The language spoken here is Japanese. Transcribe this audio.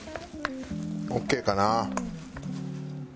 オーケーかな。